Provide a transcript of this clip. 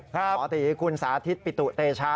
หมอตีคุณสาธิตปิตุเตชะ